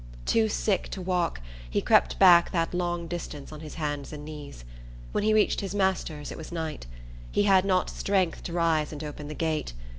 Too sick to walk, he crept back that long distance on his hands and knees. When he reached his master's, it was night. He had not strength to rise and open the gate.